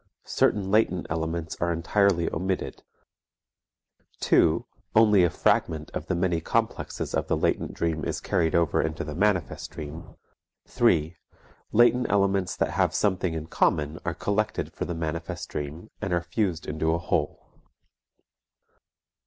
Certain latent elements are entirely omitted; 2. only a fragment of the many complexes of the latent dream is carried over into the manifest dream; 3. latent elements that have something in common are collected for the manifest dream and are fused into a whole.